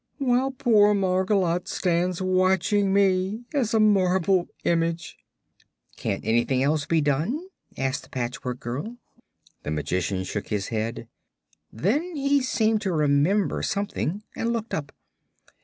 while poor Margolotte stands watching me as a marble image." "Can't anything else be done?" asked the Patchwork Girl. The Magician shook his head. Then he seemed to remember something and looked up.